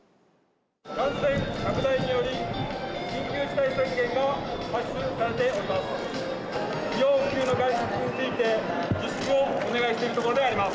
感染拡大により、緊急事態宣言が発出されております。